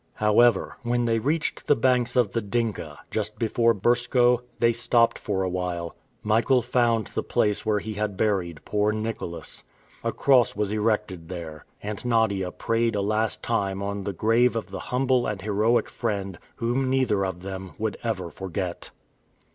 However, when they reached the banks of the Dinka, just before Birskoe, they stopped for a while. Michael found the place where he had buried poor Nicholas. A cross was erected there, and Nadia prayed a last time on the grave of the humble and heroic friend, whom neither of them would ever forget.